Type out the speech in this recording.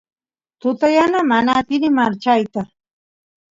tuta yana mana atini marchayta